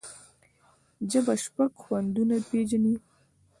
ژبه شپږ خوندونه پېژني.